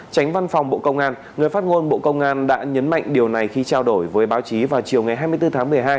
tránh văn phòng bộ công an người phát ngôn bộ công an đã nhấn mạnh điều này khi trao đổi với báo chí vào chiều ngày hai mươi bốn tháng một mươi hai